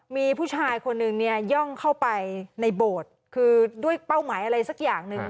มีผู้ชายคนนึงเนี่ยย่องเข้าไปในโบสถ์คือด้วยเป้าหมายอะไรสักอย่างหนึ่ง